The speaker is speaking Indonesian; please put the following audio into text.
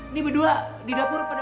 ini berdua di dapur pada